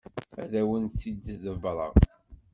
Ad awen-t-id-ḍebbreɣ.